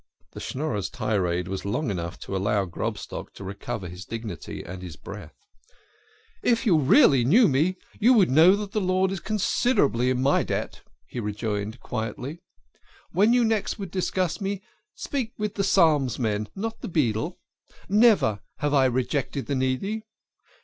The Schnorrer's tirade was long enough to allow Grob stock to recover his dignity and his breath. " If you really knew me, you would know that the Lord is considerably in my debt," he rejoined quietly. " When next you would discuss me, speak with the Psalms men, not the beadle. Never have I neglected the needy.